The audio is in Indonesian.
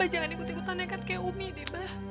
aba jalan ikut ikutannya kan kayak umi deh bah